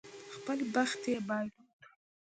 خپل بخت یې بایلود.